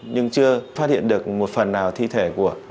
nhưng chưa phát hiện được một phần nào thi thể của nạn nhân